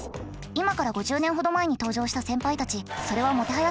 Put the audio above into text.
今から５０年ほど前に登場した先輩たちそれはもてはやされたそうです。